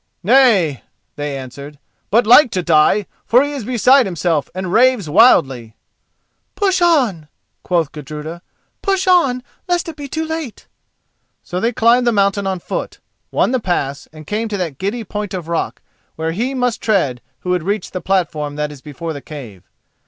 "Nay," they answered, "but like to die, for he is beside himself and raves wildly." "Push on," quoth Gudruda; "push on, lest it be too late." So they climbed the mountain on foot, won the pass and came to that giddy point of rock where he must tread who would reach the platform that is before the cave.